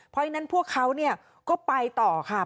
เพราะฉะนั้นพวกเขาก็ไปต่อค่ะ